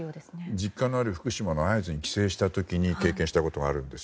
実家のある福島の会津に帰省した時に経験したことがあるんです。